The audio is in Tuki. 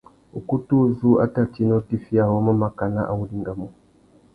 Ukutu uzú a tà tina utifiya awômô makana a wô dingamú.